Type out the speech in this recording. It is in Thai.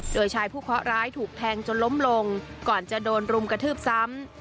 โดยชายผู้เคาะร้ายถูกแทงจนล้มลงก่อนจะโดนรุมกระทืบซ้ำ